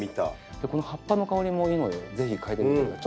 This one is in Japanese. でこの葉っぱの香りもいいのでぜひ嗅いでみてください。